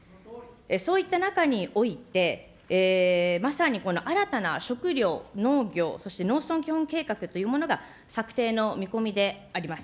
そういった中において、まさにこの新たな食料、農業、そして農村基本計画というものが策定の見込みであります。